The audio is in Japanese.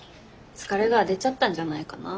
疲れが出ちゃったんじゃないかな。